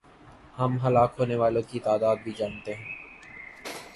ہم ہلاک ہونے والوں کی تعداد بھی جانتے ہیں۔